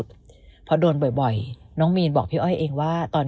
พี่ชายของน้องก็จริงใจและจริงจังนะ